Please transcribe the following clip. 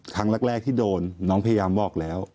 ครั้งแรกที่โดนน้องพยายามบอกแล้ว